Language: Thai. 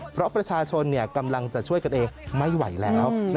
เพราะประชาชนกำลังจะช่วยกันเองไม่ไหวแล้ว